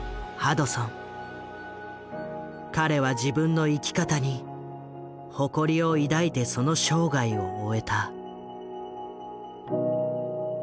彼は自分の生き方に誇りを抱いてその生涯を終えた。